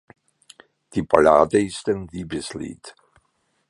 Die Ballade ist ein Liebeslied.